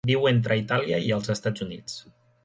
Viu entre Itàlia i els Estats Units.